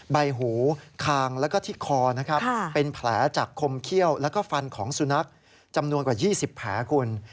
ใบหูคางและที่คอเป็นแผลจากคมเขี้ยวและฟันของสุนัขจำนวนกว่า๒๐แผล